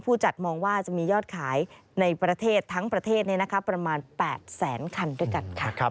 จัดมองว่าจะมียอดขายในประเทศทั้งประเทศประมาณ๘แสนคันด้วยกันค่ะ